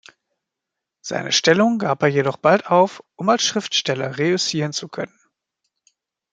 Seine Stellung gab er jedoch bald auf, um als Schriftsteller reüssieren zu können.